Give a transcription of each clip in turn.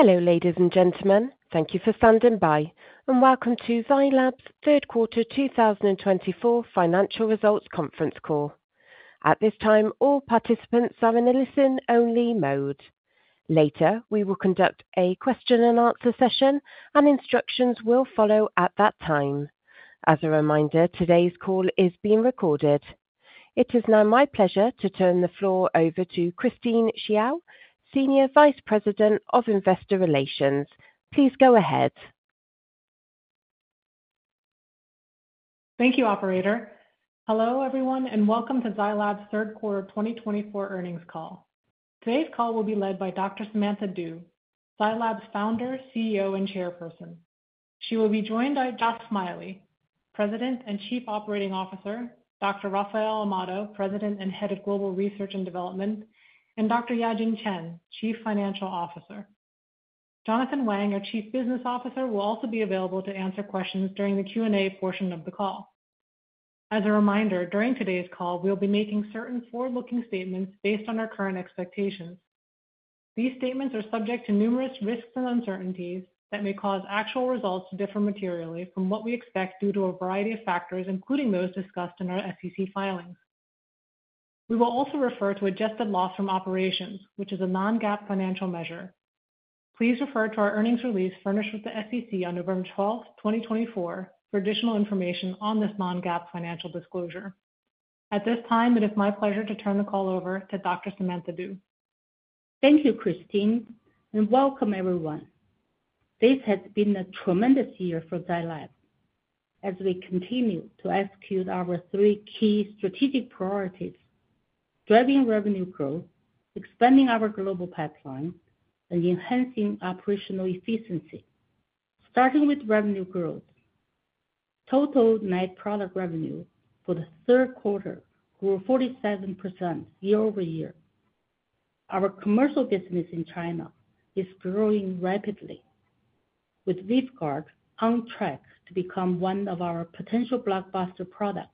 Hello, ladies and gentlemen. Thank you for standing by, and welcome to Zai Lab's third quarter 2024 financial results conference call. At this time, all participants are in a listen-only mode. Later, we will conduct a question-and-answer session, and instructions will follow at that time. As a reminder, today's call is being recorded. It is now my pleasure to turn the floor over to Christine Chiou, Senior Vice President of Investor Relations. Please go ahead. Thank you, Operator. Hello, everyone, and welcome to Zai Lab's third quarter 2024 earnings call. Today's call will be led by Dr. Samantha Du, Zai Lab's founder, CEO, and chairperson. She will be joined by Josh Smiley, President and Chief Operating Officer, Dr. Rafael Amado, President and Head of Global Research and Development, and Dr. Yajing Chen, Chief Financial Officer. Jonathan Wang, our Chief Business Officer, will also be available to answer questions during the Q&A portion of the call. As a reminder, during today's call, we'll be making certain forward-looking statements based on our current expectations. These statements are subject to numerous risks and uncertainties that may cause actual results to differ materially from what we expect due to a variety of factors, including those discussed in our SEC filings. We will also refer to adjusted loss from operations, which is a non-GAAP financial measure. Please refer to our earnings release furnished with the SEC on November 12, 2024, for additional information on this non-GAAP financial disclosure. At this time, it is my pleasure to turn the call over to Dr. Samantha Du. Thank you, Christine, and welcome, everyone. This has been a tremendous year for Zai Lab, as we continue to execute our three key strategic priorities: driving revenue growth, expanding our global pipeline, and enhancing operational efficiency. Starting with revenue growth, total net product revenue for the third quarter grew 47% year-over-year. Our commercial business in China is growing rapidly, with Vyvgart on track to become one of our potential blockbuster products.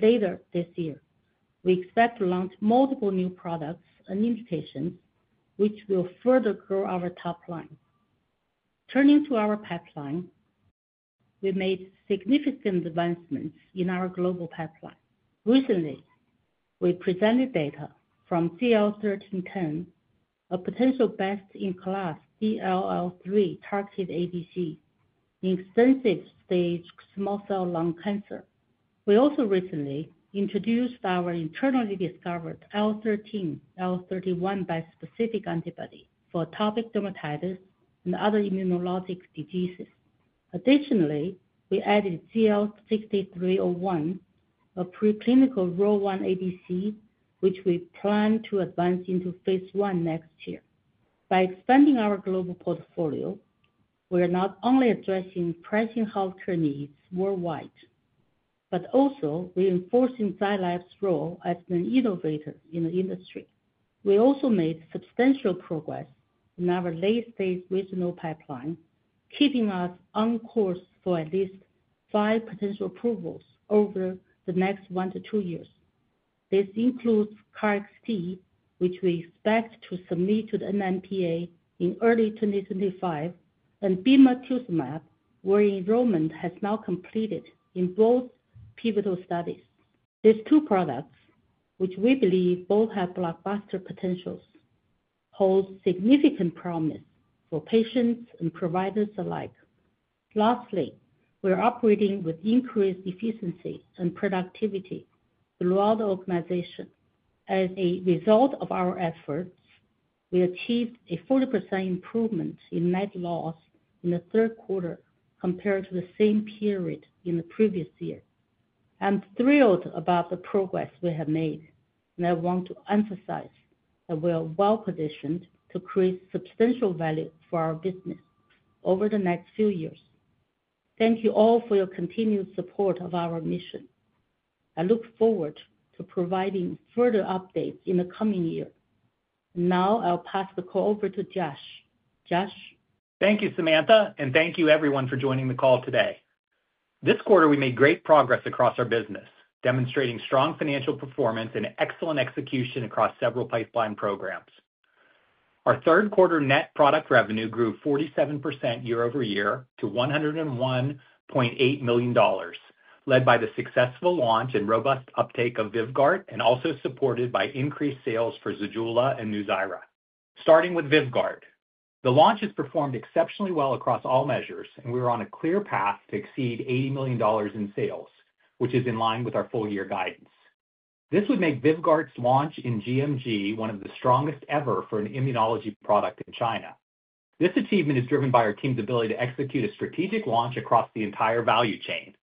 Later this year, we expect to launch multiple new products and indications, which will further grow our top line. Turning to our pipeline, we made significant advancements in our global pipeline. Recently, we presented data from ZL-1310, a potential best-in-class DLL3 targeted ADC in extensive-stage small cell lung cancer. We also recently introduced our internally discovered IL-13, IL-31 bispecific antibody for atopic dermatitis and other immunologic diseases. Additionally, we added ZL-6301, a preclinical ROR1 ADC, which we plan to advance into phase one next year. By expanding our global portfolio, we are not only addressing pressing healthcare needs worldwide, but also reinforcing Zai Lab's role as an innovator in the industry. We also made substantial progress in our late-stage regional pipeline, keeping us on course for at least five potential approvals over the next one to two years. This includes KarXT, which we expect to submit to the NMPA in early 2025, and bemarituzumab, where enrollment has now completed in both pivotal studies. These two products, which we believe both have blockbuster potentials, hold significant promise for patients and providers alike. Lastly, we are operating with increased efficiency and productivity throughout the organization. As a result of our efforts, we achieved a 40% improvement in net loss in the third quarter compared to the same period in the previous year. I'm thrilled about the progress we have made, and I want to emphasize that we are well-positioned to create substantial value for our business over the next few years. Thank you all for your continued support of our mission. I look forward to providing further updates in the coming year. Now, I'll pass the call over to Josh. Josh. Thank you, Samantha, and thank you, everyone, for joining the call today. This quarter, we made great progress across our business, demonstrating strong financial performance and excellent execution across several pipeline programs. Our third quarter net product revenue grew 47% year-over-year to $101.8 million, led by the successful launch and robust uptake of Vyvgart and also supported by increased sales for Zejula and Nuzyra. Starting with Vyvgart, the launch has performed exceptionally well across all measures, and we are on a clear path to exceed $80 million in sales, which is in line with our full-year guidance. This would make Vyvgart's launch in gMG one of the strongest ever for an immunology product in China. This achievement is driven by our team's ability to execute a strategic launch across the entire value chain.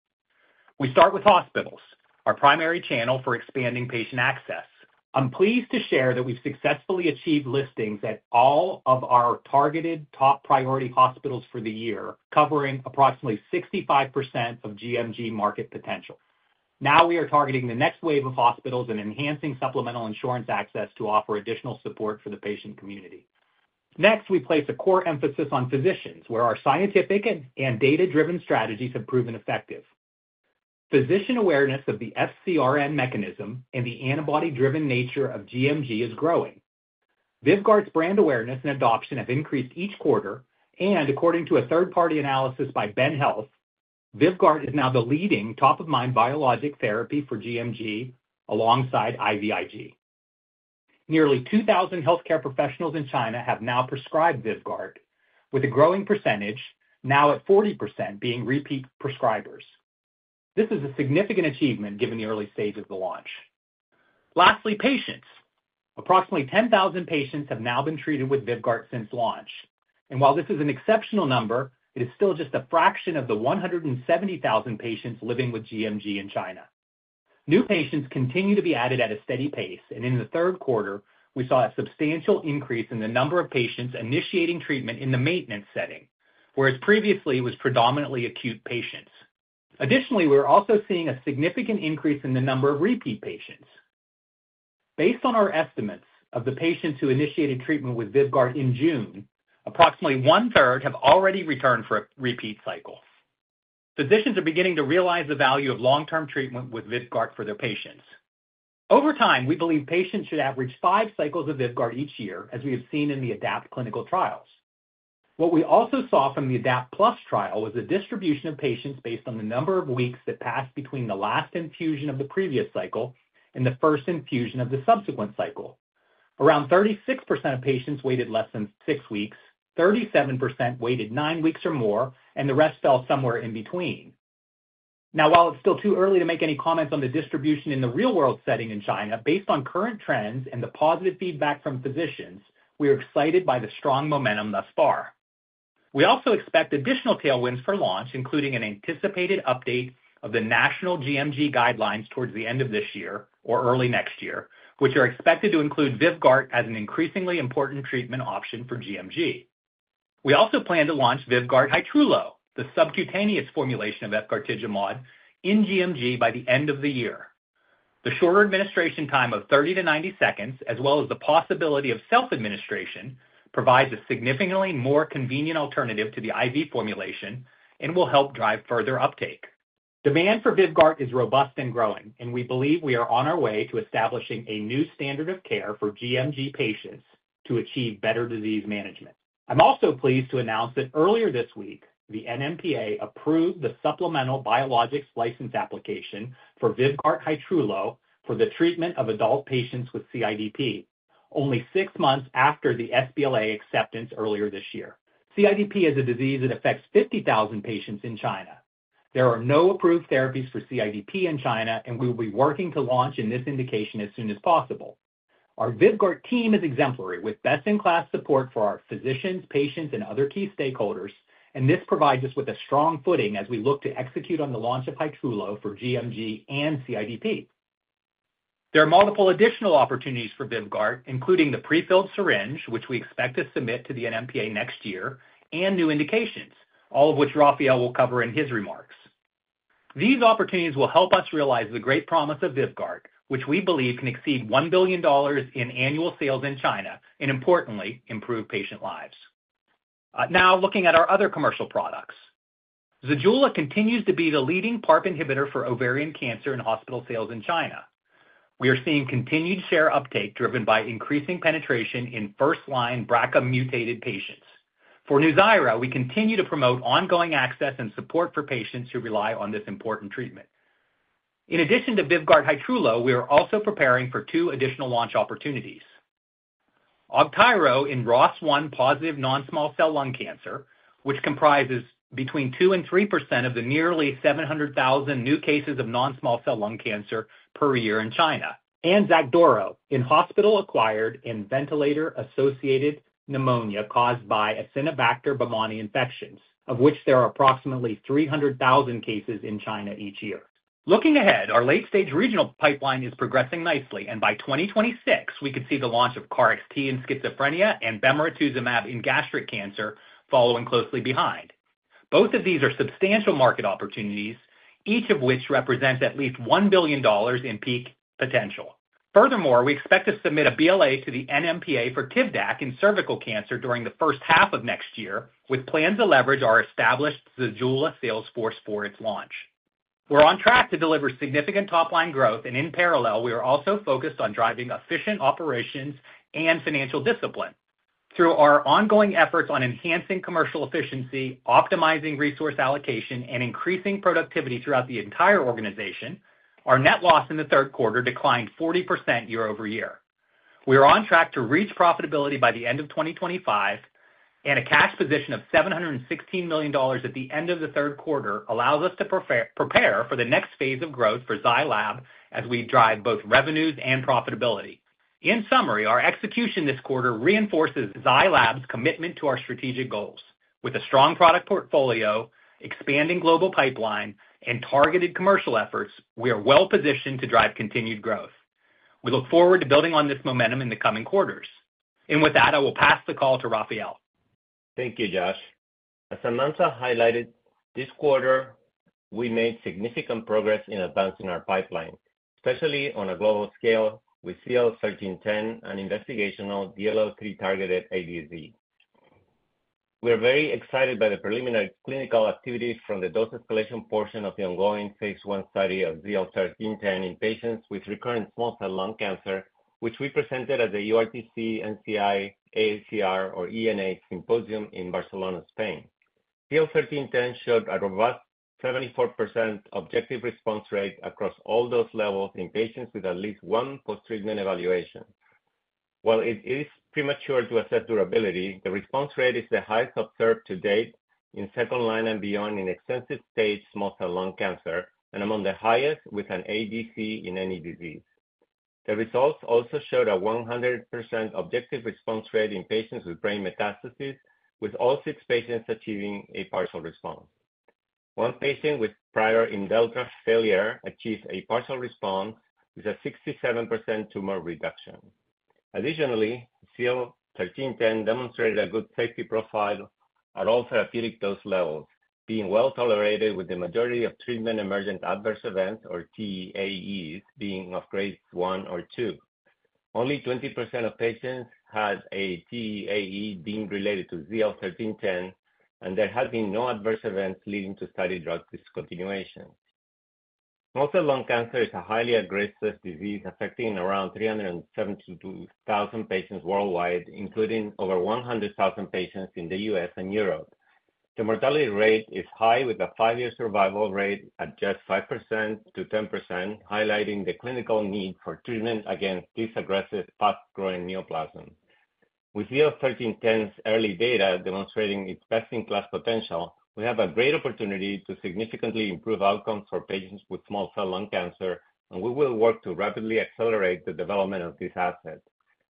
We start with hospitals, our primary channel for expanding patient access. I'm pleased to share that we've successfully achieved listings at all of our targeted top priority hospitals for the year, covering approximately 65% of gMG market potential. Now, we are targeting the next wave of hospitals and enhancing supplemental insurance access to offer additional support for the patient community. Next, we place a core emphasis on physicians, where our scientific and data-driven strategies have proven effective. Physician awareness of the FcRn mechanism and the antibody-driven nature of gMG is growing. Vyvgart's brand awareness and adoption have increased each quarter, and according to a third-party analysis by Bain & Company, Vyvgart is now the leading top-of-mind biologic therapy for gMG alongside IVIG. Nearly 2,000 healthcare professionals in China have now prescribed Vyvgart, with a growing percentage, now at 40%, being repeat prescribers. This is a significant achievement given the early stage of the launch. Lastly, patients. Approximately 10,000 patients have now been treated with Vyvgart since launch, and while this is an exceptional number, it is still just a fraction of the 170,000 patients living with gMG in China. New patients continue to be added at a steady pace, and in the third quarter, we saw a substantial increase in the number of patients initiating treatment in the maintenance setting, whereas previously it was predominantly acute patients. Additionally, we're also seeing a significant increase in the number of repeat patients. Based on our estimates of the patients who initiated treatment with Vyvgart in June, approximately one-third have already returned for a repeat cycle. Physicians are beginning to realize the value of long-term treatment with Vyvgart for their patients. Over time, we believe patients should average five cycles of Vyvgart each year, as we have seen in the ADAPT clinical trials. What we also saw from the ADAPT+ trial was the distribution of patients based on the number of weeks that passed between the last infusion of the previous cycle and the first infusion of the subsequent cycle. Around 36% of patients waited less than six weeks, 37% waited nine weeks or more, and the rest fell somewhere in between. Now, while it's still too early to make any comments on the distribution in the real-world setting in China, based on current trends and the positive feedback from physicians, we are excited by the strong momentum thus far. We also expect additional tailwinds for launch, including an anticipated update of the national gMG guidelines towards the end of this year or early next year, which are expected to include Vyvgart as an increasingly important treatment option for gMG. We also plan to launch VYVGART Hytrulo, the subcutaneous formulation of efgartigimod, in gMG by the end of the year. The shorter administration time of 30-90 seconds, as well as the possibility of self-administration, provides a significantly more convenient alternative to the IV formulation and will help drive further uptake. Demand for VYVGART is robust and growing, and we believe we are on our way to establishing a new standard of care for gMG patients to achieve better disease management. I'm also pleased to announce that earlier this week, the NMPA approved the supplemental biologics license application for VYVGART Hytrulo for the treatment of adult patients with CIDP, only six months after the SBLA acceptance earlier this year. CIDP is a disease that affects 50,000 patients in China. There are no approved therapies for CIDP in China, and we will be working to launch in this indication as soon as possible. Our Vyvgart team is exemplary, with best-in-class support for our physicians, patients, and other key stakeholders, and this provides us with a strong footing as we look to execute on the launch of Vyvgart Hytrulo for gMG and CIDP. There are multiple additional opportunities for Vyvgart, including the prefilled syringe, which we expect to submit to the NMPA next year, and new indications, all of which Rafael will cover in his remarks. These opportunities will help us realize the great promise of Vyvgart, which we believe can exceed $1 billion in annual sales in China and, importantly, improve patient lives. Now, looking at our other commercial products, Zejula continues to be the leading PARP inhibitor for ovarian cancer in hospital sales in China. We are seeing continued share uptake driven by increasing penetration in first-line BRCA-mutated patients. For Nuzyra, we continue to promote ongoing access and support for patients who rely on this important treatment. In addition to Vyvgart Hytrulo, we are also preparing for two additional launch opportunities: Augtyro in ROS1 positive non-small cell lung cancer, which comprises between 2% and 3% of the nearly 700,000 new cases of non-small cell lung cancer per year in China, and Xacduro in hospital-acquired and ventilator-associated pneumonia caused by Acinetobacter baumannii infections, of which there are approximately 300,000 cases in China each year. Looking ahead, our late-stage regional pipeline is progressing nicely, and by 2026, we could see the launch of KarXT in schizophrenia and bemarituzumab in gastric cancer following closely behind. Both of these are substantial market opportunities, each of which represents at least $1 billion in peak potential. Furthermore, we expect to submit a BLA to the NMPA for Tivdac in cervical cancer during the first half of next year, with plans to leverage our established Zejula sales force for its launch. We're on track to deliver significant top-line growth, and in parallel, we are also focused on driving efficient operations and financial discipline. Through our ongoing efforts on enhancing commercial efficiency, optimizing resource allocation, and increasing productivity throughout the entire organization, our net loss in the third quarter declined 40% year-over-year. We are on track to reach profitability by the end of 2025, and a cash position of $716 million at the end of the third quarter allows us to prepare for the next phase of growth for Zai Lab as we drive both revenues and profitability. In summary, our execution this quarter reinforces Zai Lab's commitment to our strategic goals. With a strong product portfolio, expanding global pipeline, and targeted commercial efforts, we are well-positioned to drive continued growth. We look forward to building on this momentum in the coming quarters. And with that, I will pass the call to Rafael. Thank you, Josh. As Samantha highlighted, this quarter, we made significant progress in advancing our pipeline, especially on a global scale with ZL-1310 and investigational DLL3-targeted ADC. We are very excited by the preliminary clinical activities from the dose escalation portion of the ongoing phase one study of ZL-1310 in patients with recurrent small cell lung cancer, which we presented at the ENA symposium in Barcelona, Spain. ZL-1310 showed a robust 74% objective response rate across all dose levels in patients with at least one post-treatment evaluation. While it is premature to assess durability, the response rate is the highest observed to date in second-line and beyond in extensive-stage small cell lung cancer and among the highest with an ADC in any disease. The results also showed a 100% objective response rate in patients with brain metastases, with all six patients achieving a partial response. One patient with prior Imdelltra failure achieved a partial response with a 67% tumor reduction. Additionally, ZL-1310 demonstrated a good safety profile at all therapeutic dose levels, being well tolerated with the majority of treatment emergent adverse events, or TEAEs, being of grades one or two. Only 20% of patients had a TEAE being related to ZL-1310, and there have been no adverse events leading to study drug discontinuation. Small cell lung cancer is a highly aggressive disease affecting around 372,000 patients worldwide, including over 100,000 patients in the U.S. and Europe. The mortality rate is high, with a five-year survival rate at just 5%-10%, highlighting the clinical need for treatment against this aggressive fast-growing neoplasm. With ZL-1310's early data demonstrating its best-in-class potential, we have a great opportunity to significantly improve outcomes for patients with small cell lung cancer, and we will work to rapidly accelerate the development of this asset.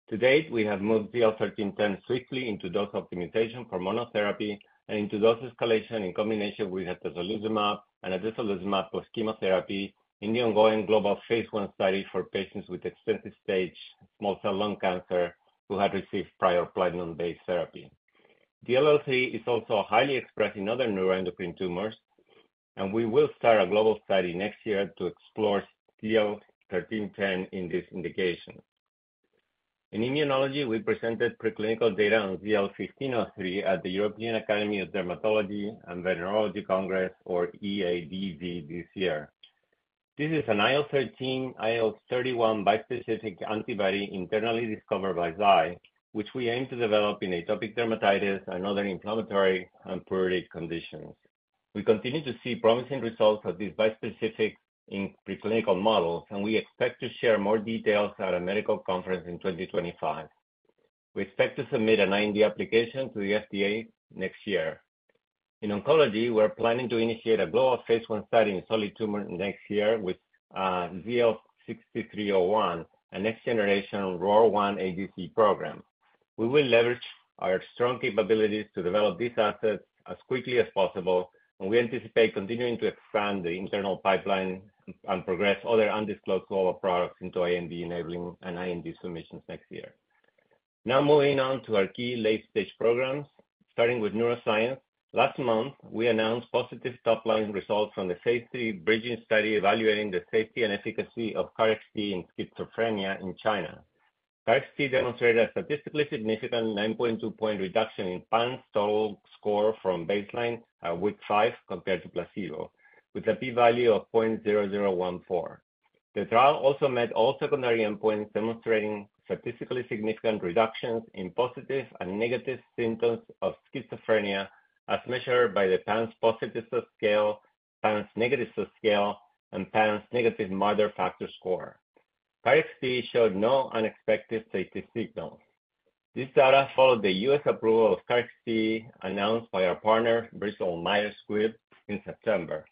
To date, we have moved ZL-1310 swiftly into dose optimization for monotherapy and into dose escalation in combination with atezolizumab and atezolizumab plus chemotherapy in the ongoing global phase one study for patients with extensive-stage small cell lung cancer who had received prior platinum-based therapy. DLL3 is also highly expressed in other neuroendocrine tumors, and we will start a global study next year to explore ZL-1310 in this indication. In immunology, we presented preclinical data on ZL-1503 at the European Academy of Dermatology and Venereology Congress, or EADV, this year. This is an IL-13, IL-31 bispecific antibody internally discovered by Zai, which we aim to develop in atopic dermatitis and other inflammatory and pruritic conditions. We continue to see promising results of these bispecifics in preclinical models, and we expect to share more details at a medical conference in 2025. We expect to submit an IND application to the FDA next year. In oncology, we're planning to initiate a global phase 1 study in solid tumor next year with ZL-6301, a next-generation ROR1 ADC program. We will leverage our strong capabilities to develop these assets as quickly as possible, and we anticipate continuing to expand the internal pipeline and progress other undisclosed global products into IND-enabling and IND submissions next year. Now, moving on to our key late-stage programs, starting with neuroscience. Last month, we announced positive top-line results from the phase 3 bridging study evaluating the safety and efficacy of KarXT in schizophrenia in China. KarXT demonstrated a statistically significant 9.2-point reduction in PANSS total score from baseline at week 5 compared to placebo, with a P-value of 0.0014. The trial also met all secondary endpoints demonstrating statistically significant reductions in positive and negative symptoms of schizophrenia, as measured by the PANSS positive subscale, PANSS negative subscale, and PANSS negative Marder factor score. KarXT showed no unexpected safety signals. This data followed the U.S. approval of KarXT announced by our partner, Bristol Myers Squibb, in September.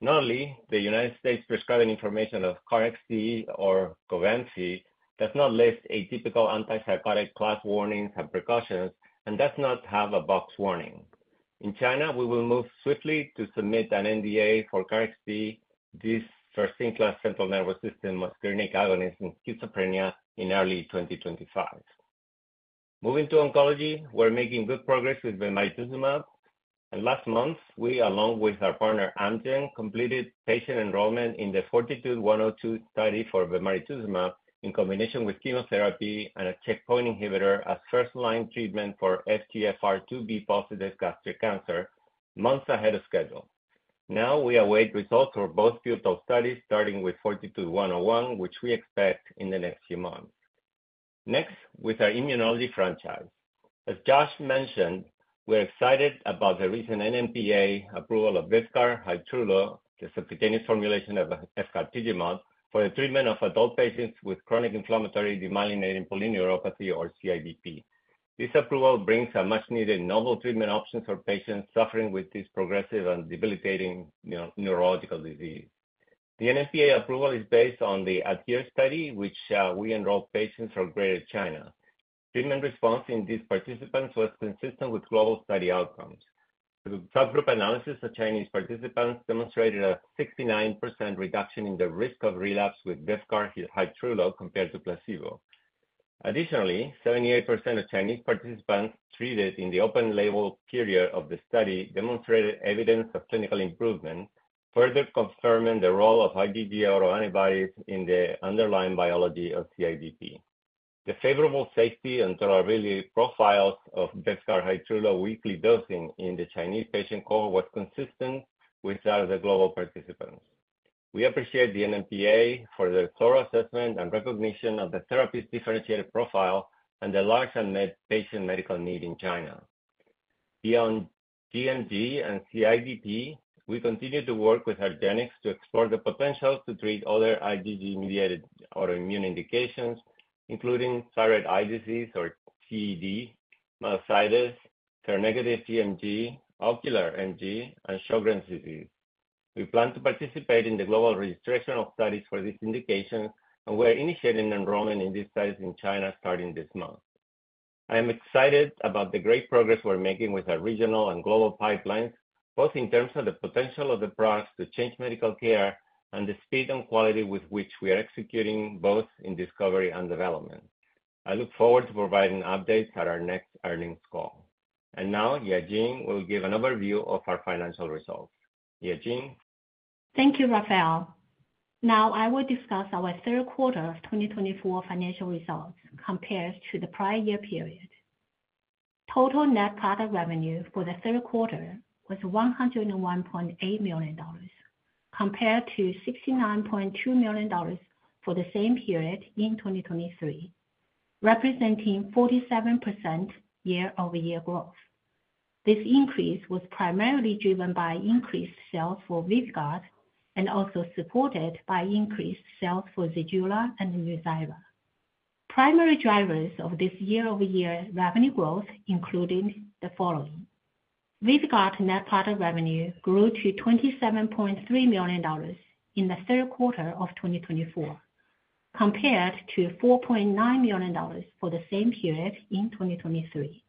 Not only does the United States prescribing information of KarXT or Cobenfy do not list atypical antipsychotic class warnings and precautions and does not have a box warning. In China, we will move swiftly to submit an NDA for KarXT, this first-in-class central nervous system muscarinic agonist in schizophrenia, in early 2025. Moving to oncology, we're making good progress with bemarituzumab. And last month, we, along with our partner Amgen, completed patient enrollment in the 42102 study for bemarituzumab in combination with chemotherapy and a checkpoint inhibitor as first-line treatment for FGFR2b-positive gastric cancer, months ahead of schedule. Now, we await results for both field studies starting with 42101, which we expect in the next few months. Next, with our immunology franchise. As Josh mentioned, we're excited about the recent NMPA approval of Vyvgart Hytrulo, the subcutaneous formulation of efgartigimod for the treatment of adult patients with chronic inflammatory demyelinating polyneuropathy, or CIDP. This approval brings a much-needed novel treatment option for patients suffering with this progressive and debilitating neurological disease. The NMPA approval is based on the ADHEAR study, which we enrolled patients from Greater China. Treatment response in these participants was consistent with global study outcomes. Subgroup analysis of Chinese participants demonstrated a 69% reduction in the risk of relapse with VYVGART Hytrulo compared to placebo. Additionally, 78% of Chinese participants treated in the open-label period of the study demonstrated evidence of clinical improvement, further confirming the role of IgG autoantibodies in the underlying biology of CIDP. The favorable safety and tolerability profiles of VYVGART Hytrulo weekly dosing in the Chinese patient cohort were consistent with that of the global participants. We appreciate the NMPA for their thorough assessment and recognition of the therapy's differentiated profile and the large unmet patient medical need in China. Beyond gMG and CIDP, we continue to work with Argenx to explore the potential to treat other IgG-mediated autoimmune indications, including thyroid eye disease, or TED, myositis, seronegative gMG, ocular MG, and Sjögren's disease. We plan to participate in the global registration of studies for these indications, and we're initiating enrollment in these studies in China starting this month. I am excited about the great progress we're making with our regional and global pipelines, both in terms of the potential of the products to change medical care and the speed and quality with which we are executing both in discovery and development. I look forward to providing updates at our next earnings call. And now, Yajing will give an overview of our financial results. Yajing. Thank you, Rafael. Now, I will discuss our third quarter of 2024 financial results compared to the prior year period. Total net product revenue for the third quarter was $101.8 million, compared to $69.2 million for the same period in 2023, representing 47% year-over-year growth. This increase was primarily driven by increased sales for Vyvgart and also supported by increased sales for Zejula and Nuzyra. Primary drivers of this year-over-year revenue growth included the following: Vyvgart's net product revenue grew to $27.3 million in the third quarter of 2024, compared to $4.9 million for the same period in 2023,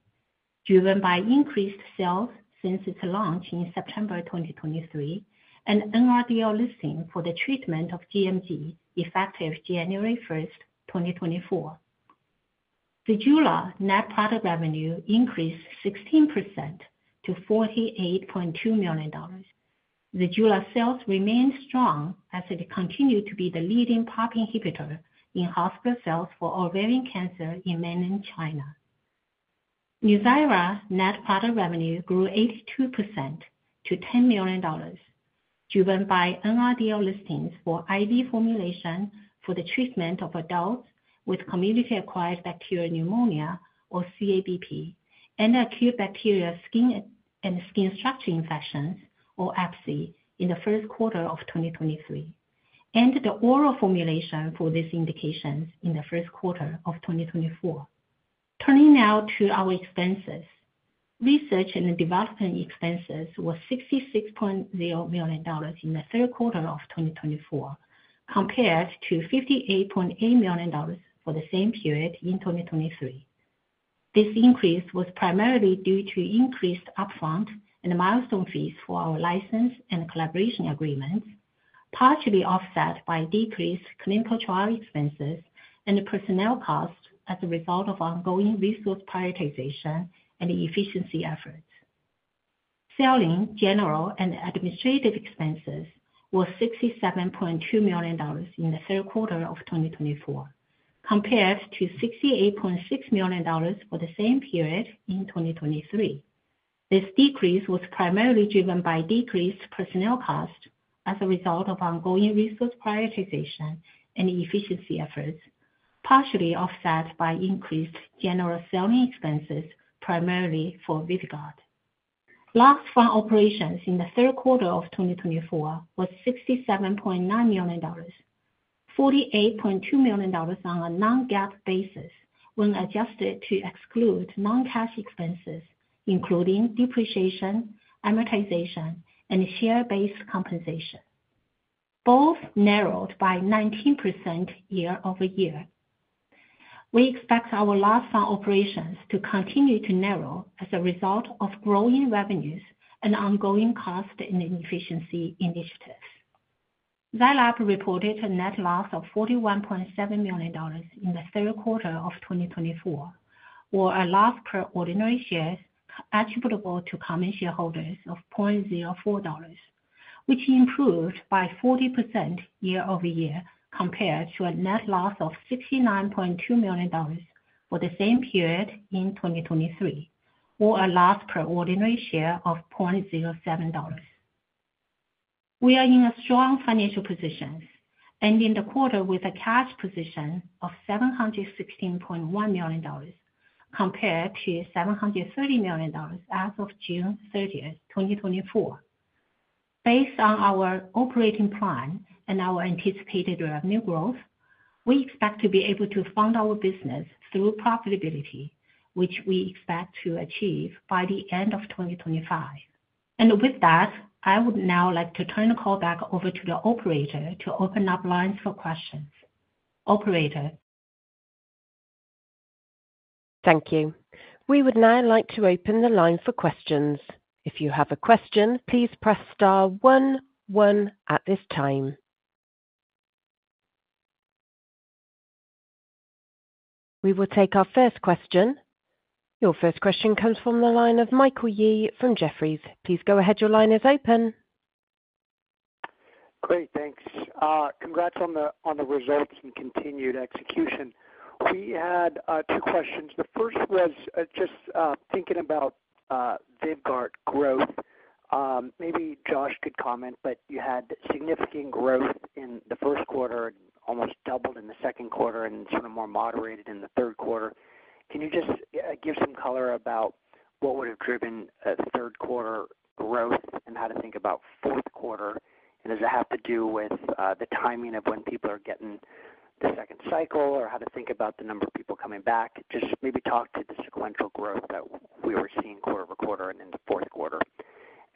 driven by increased sales since its launch in September 2023 and NRDL listing for the treatment of gMG effective January 1, 2024. Zejula's net product revenue increased 16% to $48.2 million. Zejula's sales remained strong as it continued to be the leading PARP inhibitor in hospital channels for ovarian cancer in mainland China. Nuzyra's net product revenue grew 82% to $10 million, driven by NRDL listings for IV formulation for the treatment of adults with community-acquired bacterial pneumonia, or CABP, and acute bacterial skin and skin structure infections, or ABSSSI, in the first quarter of 2023, and the oral formulation for this indication in the first quarter of 2024. Turning now to our expenses, research and development expenses were $66.0 million in the third quarter of 2024, compared to $58.8 million for the same period in 2023. This increase was primarily due to increased upfront and milestone fees for our license and collaboration agreements, partially offset by decreased clinical trial expenses and personnel costs as a result of ongoing resource prioritization and efficiency efforts. Selling, general, and administrative expenses were $67.2 million in the third quarter of 2024, compared to $68.6 million for the same period in 2023. This decrease was primarily driven by decreased personnel costs as a result of ongoing resource prioritization and efficiency efforts, partially offset by increased general selling expenses primarily for Vyvgart. Loss from operations in the third quarter of 2024 were $67.9 million, $48.2 million on a non-GAAP basis when adjusted to exclude non-cash expenses, including depreciation, amortization, and share-based compensation, both narrowed by 19% year-over-year. We expect our loss from operations to continue to narrow as a result of growing revenues and ongoing cost and efficiency initiatives. Zai Lab reported a net loss of $41.7 million in the third quarter of 2024, or a loss per ordinary share attributable to common shareholders of $0.04, which improved by 40% year-over-year compared to a net loss of $69.2 million for the same period in 2023, or a loss per ordinary share of $0.07. We are in a strong financial position, ending the quarter with a cash position of $716.1 million compared to $730 million as of June 30, 2024. Based on our operating plan and our anticipated revenue growth, we expect to be able to fund our business through profitability, which we expect to achieve by the end of 2025. With that, I would now like to turn the call back over to the operator to open up lines for questions. Operator. Thank you. We would now like to open the line for questions. If you have a question, please press star one, one at this time. We will take our first question. Your first question comes from the line of Michael Yee from Jefferies. Please go ahead. Your line is open. Great. Thanks. Congrats on the results and continued execution. We had two questions. The first was just thinking about Vyvgart growth. Maybe Josh could comment, but you had significant growth in the first quarter and almost doubled in the second quarter and sort of more moderated in the third quarter. Can you just give some color about what would have driven third quarter growth and how to think about fourth quarter? And does it have to do with the timing of when people are getting the second cycle or how to think about the number of people coming back? Just maybe talk to the sequential growth that we were seeing quarter over quarter and in the fourth quarter.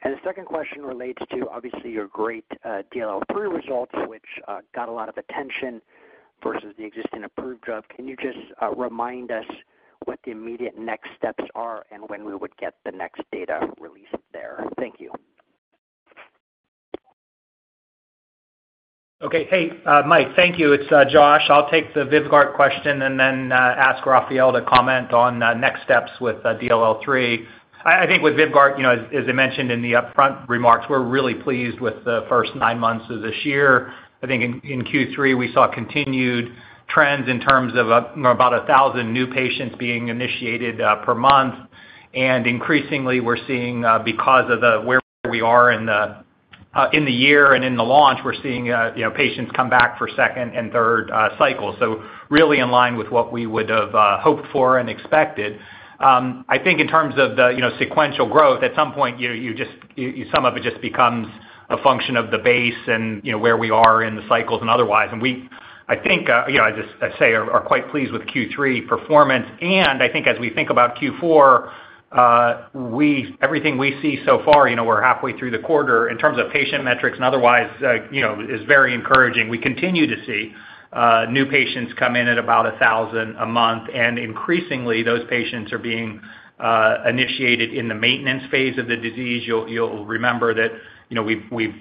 And the second question relates to, obviously, your great DLL3 results, which got a lot of attention versus the existing approved drug. Can you just remind us what the immediate next steps are and when we would get the next data release there? Thank you. Okay. Hey, Mike, thank you. It's Josh. I'll take the Vyvgart question and then ask Rafael to comment on next steps with DLL3. I think with Vyvgart, as I mentioned in the upfront remarks, we're really pleased with the first nine months of this year. I think in Q3, we saw continued trends in terms of about 1,000 new patients being initiated per month. And increasingly, we're seeing, because of where we are in the year and in the launch, we're seeing patients come back for second and third cycles. So really in line with what we would have hoped for and expected. I think in terms of the sequential growth, at some point, some of it just becomes a function of the base and where we are in the cycles and otherwise. And we, I think, as I say, are quite pleased with Q3 performance. And I think as we think about Q4, everything we see so far, we're halfway through the quarter in terms of patient metrics and otherwise, is very encouraging. We continue to see new patients come in at about 1,000 a month. And increasingly, those patients are being initiated in the maintenance phase of the disease. You'll remember that we've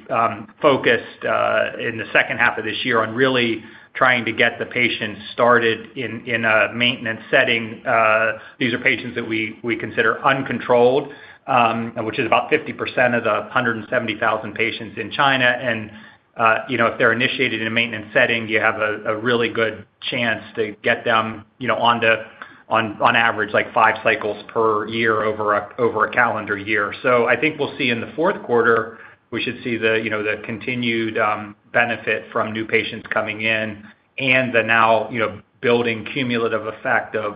focused in the second half of this year on really trying to get the patients started in a maintenance setting. These are patients that we consider uncontrolled, which is about 50% of the 170,000 patients in China. And if they're initiated in a maintenance setting, you have a really good chance to get them on, on average, like five cycles per year over a calendar year. So I think we'll see in the fourth quarter, we should see the continued benefit from new patients coming in and the now building cumulative effect of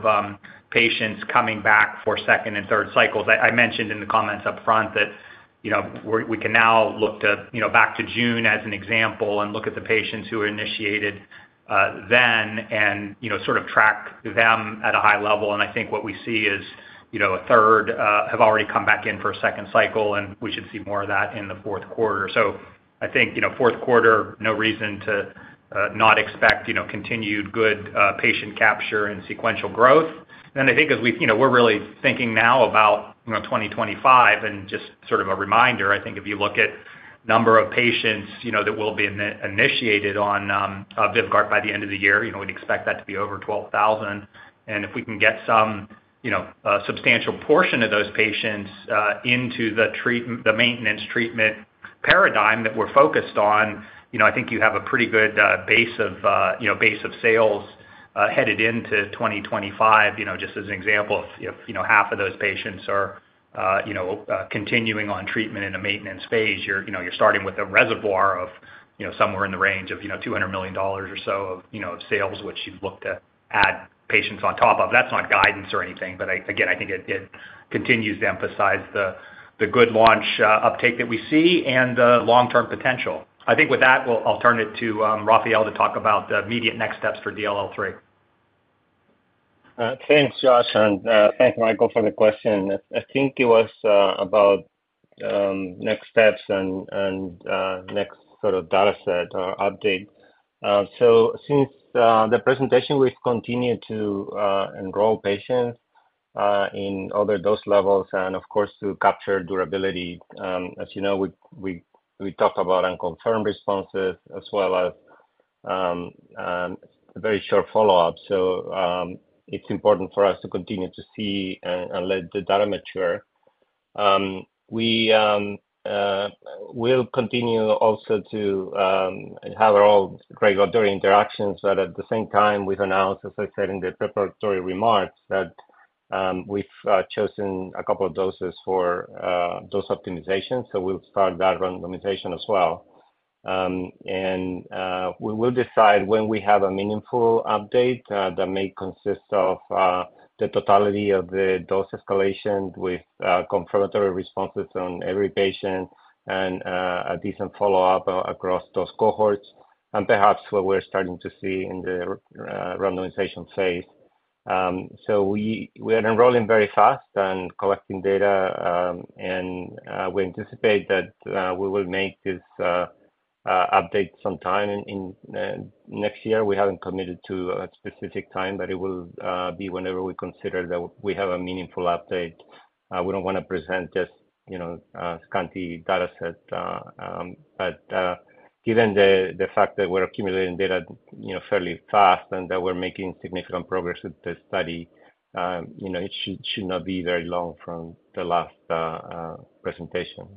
patients coming back for second and third cycles. I mentioned in the comments upfront that we can now look back to June as an example and look at the patients who were initiated then and sort of track them at a high level. And I think what we see is a third have already come back in for a second cycle, and we should see more of that in the fourth quarter. So I think fourth quarter, no reason to not expect continued good patient capture and sequential growth. And I think as we're really thinking now about 2025 and just sort of a reminder, I think if you look at the number of patients that will be initiated on Vyvgart by the end of the year, we'd expect that to be over 12,000. And if we can get some substantial portion of those patients into the maintenance treatment paradigm that we're focused on, I think you have a pretty good base of sales headed into 2025. Just as an example, if half of those patients are continuing on treatment in a maintenance phase, you're starting with a reservoir of somewhere in the range of $200 million or so of sales, which you'd look to add patients on top of. That's not guidance or anything, but again, I think it continues to emphasize the good launch uptake that we see and the long-term potential. I think with that, I'll turn it to Rafael to talk about the immediate next steps for DLL3. Thanks, Josh. And thank you, Michael, for the question. I think it was about next steps and next sort of data set or update. So since the presentation, we've continued to enroll patients in other dose levels and, of course, to capture durability. As you know, we talked about unconfirmed responses as well as very short follow-ups. So it's important for us to continue to see and let the data mature. We will continue also to have our own regulatory interactions, but at the same time, we've announced, as I said in the preparatory remarks, that we've chosen a couple of doses for dose optimization. So we'll start that randomization as well. And we will decide when we have a meaningful update that may consist of the totality of the dose escalation with confirmatory responses on every patient and a decent follow-up across those cohorts and perhaps what we're starting to see in the randomization phase. So we are enrolling very fast and collecting data, and we anticipate that we will make this update sometime in next year. We haven't committed to a specific time, but it will be whenever we consider that we have a meaningful update. We don't want to present just scanty data set. But given the fact that we're accumulating data fairly fast and that we're making significant progress with the study, it should not be very long from the last presentation.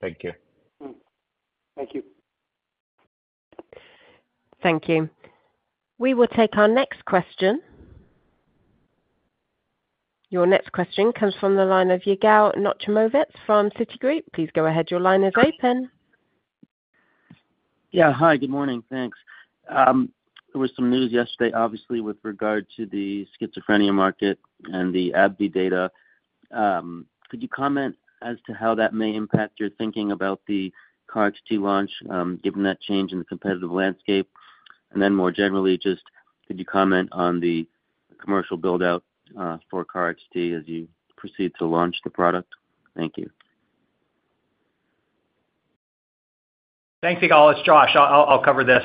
Thank you. Thank you. Thank you. We will take our next question. Your next question comes from the line of Yigal Nochomovitz from Citigroup. Please go ahead. Your line is open. Yeah. Hi. Good morning. Thanks. There was some news yesterday, obviously, with regard to the schizophrenia market and the AbbVie data. Could you comment as to how that may impact your thinking about the KarXT launch, given that change in the competitive landscape? And then more generally, just could you comment on the commercial buildout for KarXT as you proceed to launch the product? Thank you. Thanks, Yigal. It's Josh. I'll cover this.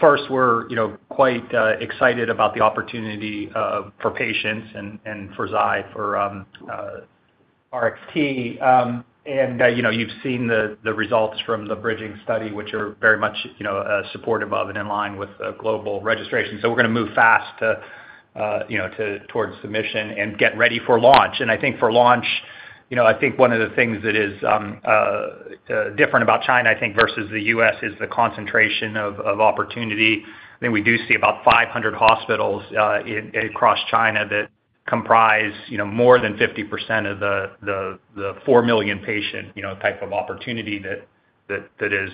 First, we're quite excited about the opportunity for patients and for Zai for KarXT. And you've seen the results from the bridging study, which are very much supportive of and in line with the global registration. So we're going to move fast towards submission and get ready for launch. And I think for launch, I think one of the things that is different about China, I think, versus the U.S. is the concentration of opportunity. I think we do see about 500 hospitals across China that comprise more than 50% of the 4 million patient type of opportunity that is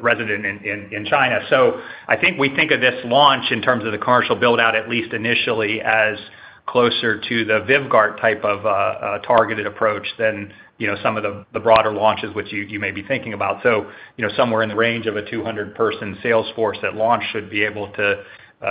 resident in China. So I think we think of this launch in terms of the commercial buildout, at least initially, as closer to the Vyvgart type of targeted approach than some of the broader launches which you may be thinking about. So somewhere in the range of a 200-person salesforce at launch should be able to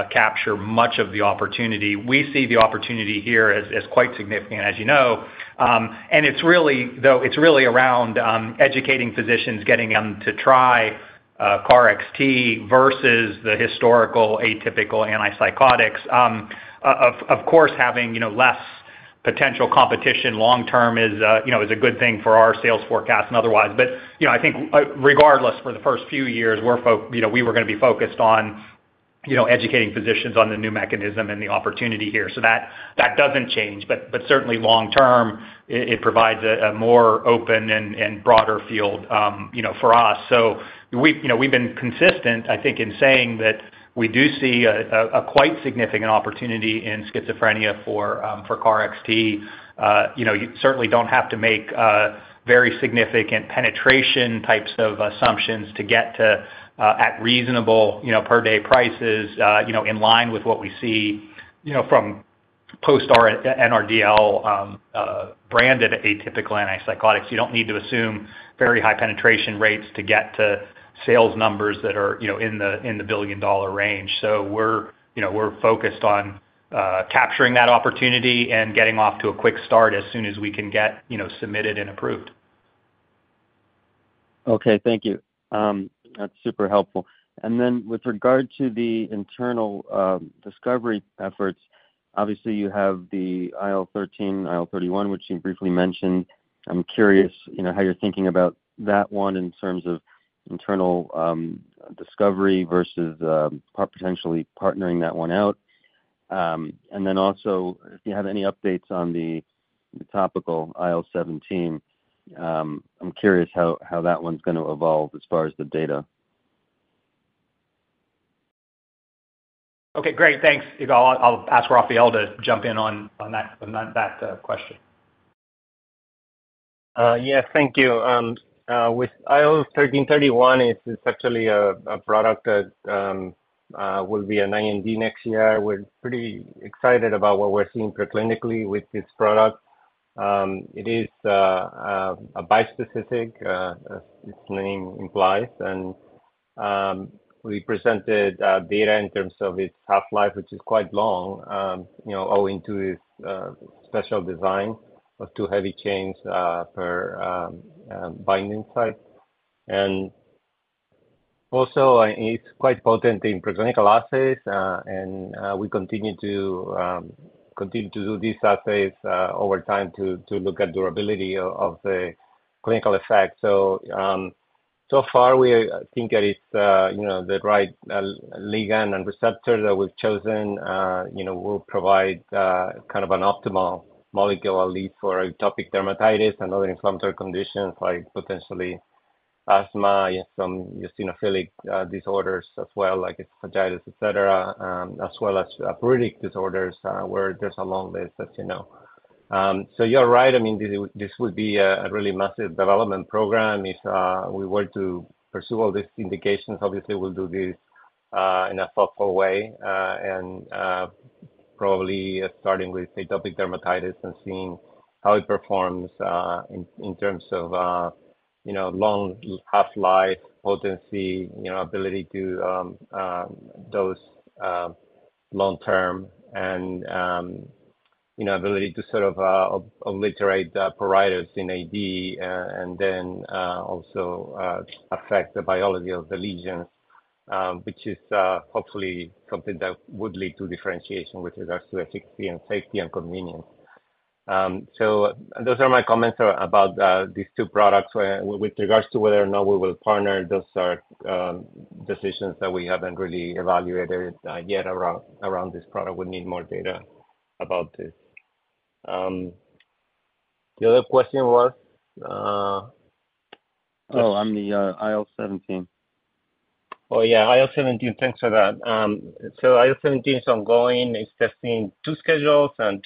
capture much of the opportunity. We see the opportunity here as quite significant, as you know. And it's really around educating physicians, getting them to try KarXT versus the historical atypical antipsychotics. Of course, having less potential competition long-term is a good thing for our sales forecast and otherwise. But I think regardless, for the first few years, we were going to be focused on educating physicians on the new mechanism and the opportunity here. So that doesn't change. But certainly, long-term, it provides a more open and broader field for us. So we've been consistent, I think, in saying that we do see a quite significant opportunity in schizophrenia for KarXT. You certainly don't have to make very significant penetration types of assumptions to get to a reasonable per-day prices in line with what we see from post-NRDL branded atypical antipsychotics. You don't need to assume very high penetration rates to get to sales numbers that are in the billion-dollar range. So we're focused on capturing that opportunity and getting off to a quick start as soon as we can get submitted and approved. Okay. Thank you. That's super helpful. And then with regard to the internal discovery efforts, obviously, you have the IL13, IL31, which you briefly mentioned. I'm curious how you're thinking about that one in terms of internal discovery versus potentially partnering that one out. And then also, if you have any updates on the topical IL17, I'm curious how that one's going to evolve as far as the data. Okay. Great. Thanks, Yigal. I'll ask Rafael to jump in on that question. Yes. Thank you. With IL-13/31, it's actually a product that will be an IND next year. We're pretty excited about what we're seeing preclinically with this product. It is a bispecific, as its name implies, and we presented data in terms of its half-life, which is quite long, owing to its special design of two heavy chains per binding site. Also, it's quite potent in preclinical assays. And we continue to do these assays over time to look at durability of the clinical effect. So far, we think that it's the right ligand and receptor that we've chosen will provide kind of an optimal molecule, at least for atopic dermatitis and other inflammatory conditions like potentially asthma and some eosinophilic disorders as well, like esophagitis, etc., as well as pruritic disorders where there's a long list, as you know. So you're right. I mean, this would be a really massive development program. If we were to pursue all these indications, obviously, we'll do this in a thoughtful way and probably starting with atopic dermatitis and seeing how it performs in terms of long half-life, potency, ability to dose long-term, and ability to sort of obliterate the pruritus in AD and then also affect the biology of the lesion, which is hopefully something that would lead to differentiation with regards to efficacy and safety and convenience. So those are my comments about these two products. With regards to whether or not we will partner, those are decisions that we haven't really evaluated yet around this product. We need more data about this. The other question was. Oh, I'm the IL-17. Oh, yeah. IL-17. Thanks for that. So IL-17 is ongoing. It's testing two schedules and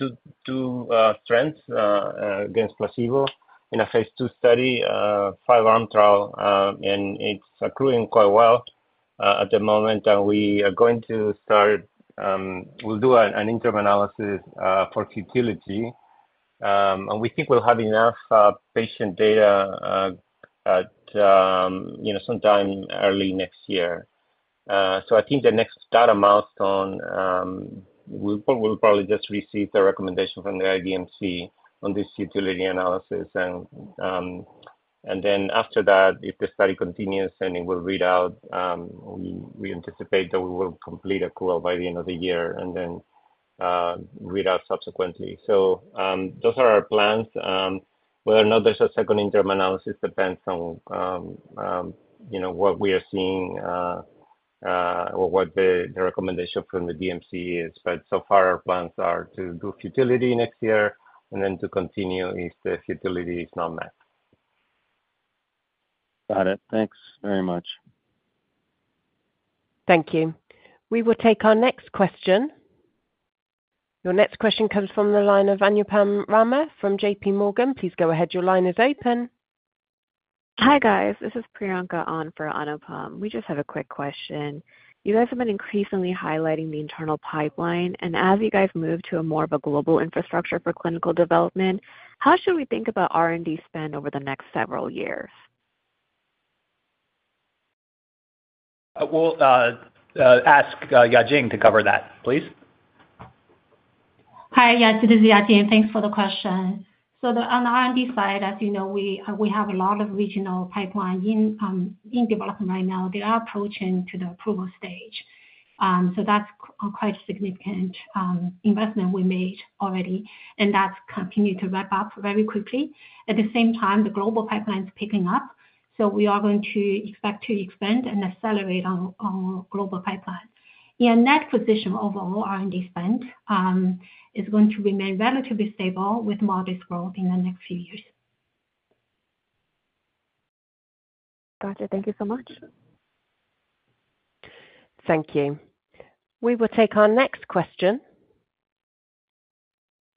two strengths against placebo in a phase two study, five-arm trial. And it's accruing quite well at the moment. And we'll do an interim analysis for futility. And we think we'll have enough patient data sometime early next year. So I think the next data milestone, we'll probably just receive the recommendation from the IDMC on this futility analysis. And then after that, if the study continues and it will read out, we anticipate that we will complete accrual by the end of the year and then read out subsequently. So those are our plans. Whether or not there's a second interim analysis depends on what we are seeing or what the recommendation from the DMC is. But so far, our plans are to do futility next year and then to continue if the futility is not met. Got it. Thanks very much. Thank you. We will take our next question. Your next question comes from the line of Anupam Rama from J.P. Morgan. Please go ahead. Your line is open. Hi guys. This is Priyanka on for Anupam. We just have a quick question. You guys have been increasingly highlighting the internal pipeline. And as you guys move to a more of a global infrastructure for clinical development, how should we think about R&D spend over the next several years? Ask Yajing to cover that, please. Hi, Yajing. This is Yajing. Thanks for the question. On the R&D side, as you know, we have a lot of regional pipeline in development right now. They are approaching to the approval stage. That's quite a significant investment we made already. That's continued to ramp up very quickly. At the same time, the global pipeline is picking up. We are going to expect to expand and accelerate our global pipeline. In that position, overall, R&D spend is going to remain relatively stable with modest growth in the next few years. Gotcha. Thank you so much. Thank you. We will take our next question.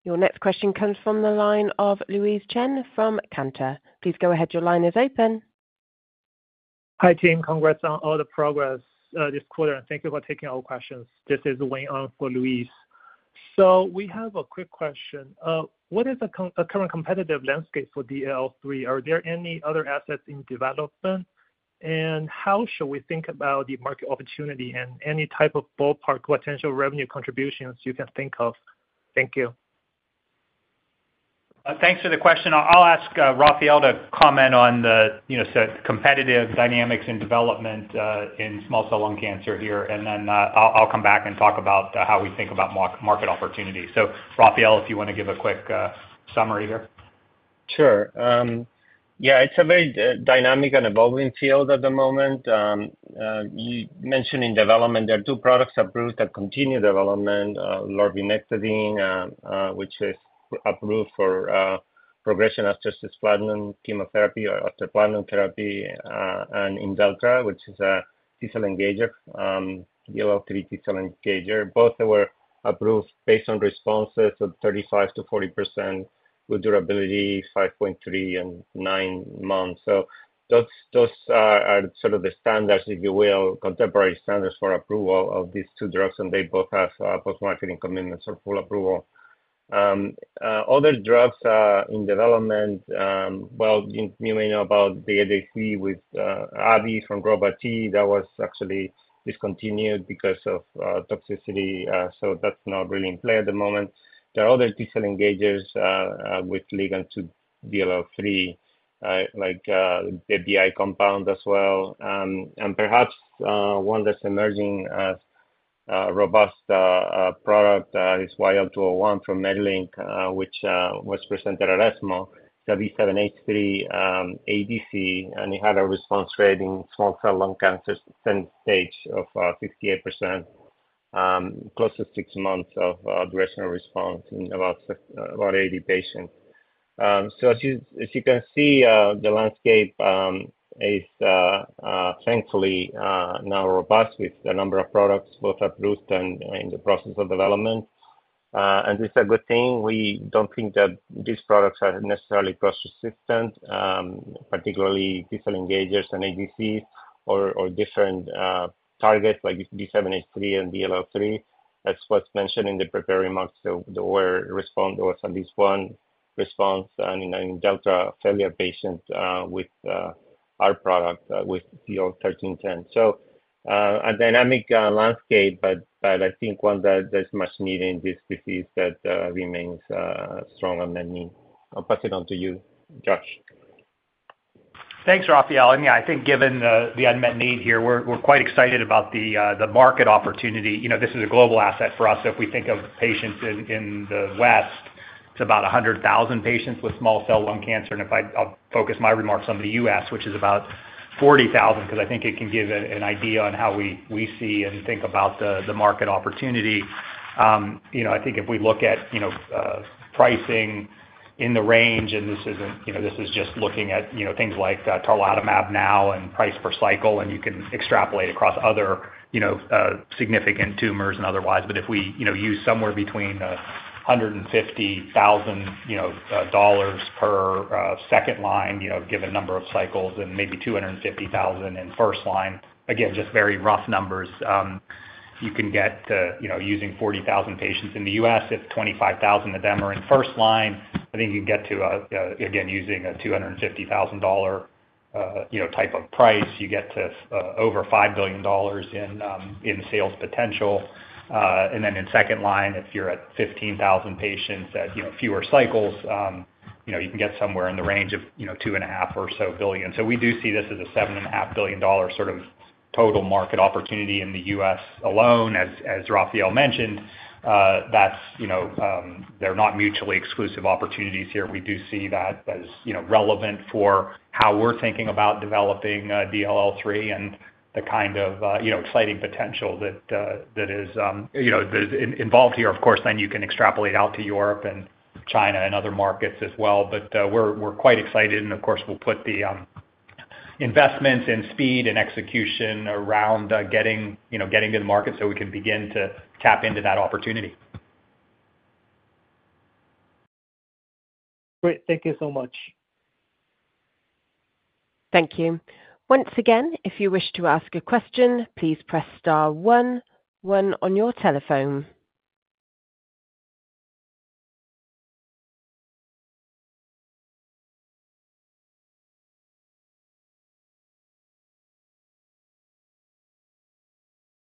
Your next question comes from the line of Louise Chen from Cantor. Please go ahead. Your line is open. Hi, team. Congrats on all the progress this quarter. And thank you for taking our questions. This is Wayne Ong for Louise. So we have a quick question. What is the current competitive landscape for DLL3? Are there any other assets in development? And how should we think about the market opportunity and any type of ballpark potential revenue contributions you can think of? Thank you. Thanks for the question. I'll ask Rafael to comment on the competitive dynamics in development in small cell lung cancer here. And then I'll come back and talk about how we think about market opportunity. So Rafael, if you want to give a quick summary here. Sure. Yeah. It's a very dynamic and evolving field at the moment. You mentioned in development, there are two products approved that continue development, lurbinectedin, which is approved for progression after cisplatin chemotherapy or after platinum therapy, and Imdelltra, which is a DLL3 T-cell engager. Both were approved based on responses of 35%-40% with durability 5.3 and 9 months. So those are sort of the standards, if you will, contemporary standards for approval of these two drugs. And they both have post-marketing commitments or full approval. Other drugs in development, well, you may know about the ADC with AbbVie from Rova-T. That was actually discontinued because of toxicity. So that's not really in play at the moment. There are other T-cell engagers with ligand to DLL3, like the BI compound as well. Perhaps one that's emerging as a robust product is YL201 from MedLink, which was presented at ESMO. It's a B7-H3 ADC. It had a response rate in small cell lung cancer advanced stage of 68%, close to six months of duration of response in about 80 patients. As you can see, the landscape is, thankfully, now robust with the number of products both approved and in the process of development. This is a good thing. We don't think that these products are necessarily cross-resistant, particularly T-cell engagers and ADCs or different targets like B7-H3 and DLL3. That's what's mentioned in the prepared remarks. The ORR response was on this one response and in a Delta failure patient with our product with ZL-1310. A dynamic landscape, but I think one that is much needed in this disease that remains strong and many. I'll pass it on to you, Josh. Thanks, Rafael. And yeah, I think given the unmet need here, we're quite excited about the market opportunity. This is a global asset for us. If we think of patients in the West, it's about 100,000 patients with small cell lung cancer. And I'll focus my remarks on the U.S., which is about 40,000 because I think it can give an idea on how we see and think about the market opportunity. I think if we look at pricing in the range, and this is just looking at things like tarlatamab now and price per cycle, and you can extrapolate across other significant tumors and otherwise. But if we use somewhere between $150,000 per second line, given number of cycles, and maybe $250,000 in first line, again, just very rough numbers, you can get to using 40,000 patients in the U.S. If 25,000 of them are in first line, I think you can get to, again, using a $250,000 type of price, you get to over $5 billion in sales potential, and then in second line, if you're at 15,000 patients at fewer cycles, you can get somewhere in the range of $2.5 billion or so. So we do see this as a $7.5 billion sort of total market opportunity in the U.S. alone, as Rafael mentioned, they're not mutually exclusive opportunities here. We do see that as relevant for how we're thinking about developing DLL3 and the kind of exciting potential that is involved here. Of course, then you can extrapolate out to Europe and China and other markets as well, but we're quite excited. Of course, we'll put the investments in speed and execution around getting to the market so we can begin to tap into that opportunity. Great. Thank you so much. Thank you. Once again, if you wish to ask a question, please press star 1, 1 on your telephone.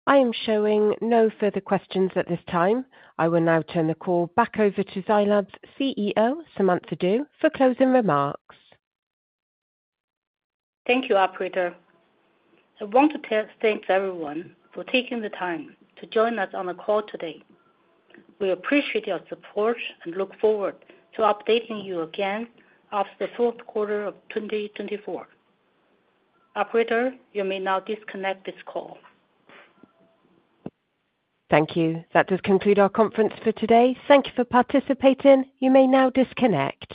I am showing no further questions at this time. I will now turn the call back over to Zai Lab's CEO, Samantha Du, for closing remarks. Thank you, Operator. I want to thank everyone for taking the time to join us on the call today. We appreciate your support and look forward to updating you again after the fourth quarter of 2024. Operator, you may now disconnect this call. Thank you. That does conclude our conference for today. Thank you for participating. You may now disconnect.